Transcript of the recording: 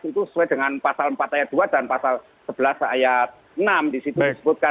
itu sesuai dengan pasal empat ayat dua dan pasal sebelas ayat enam disitu disebutkan